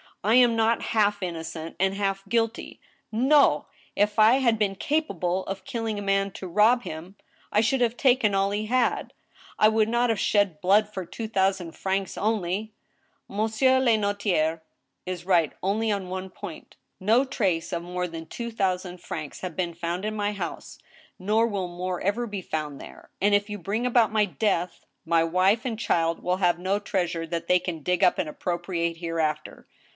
I am not half innocent and half guilty ! No ! If I had been capable of killing a man to rob him, I should have taken all he had ; I would not have shed blood for two thousand francs only ! Monsieur le notaire is right only on one THE TRIAL. 193 point No trace of more than two thousand francs has been found in my house, nor will more ever be found there ; and if you bring about my death, my wife and child will have no treasure that they can dig up and appropriate hereafter.